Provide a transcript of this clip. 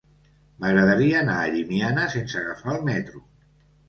M'agradaria anar a Llimiana sense agafar el metro.